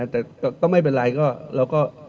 แต่ก็ไม่เป็นไรก็